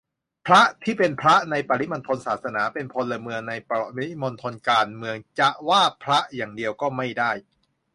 พระที่เป็นพระในปริมณฑลศาสนา เป็นพลเมืองในปริมณฑลการเมือง จะว่าพระอย่างเดียวก็ไม่ได้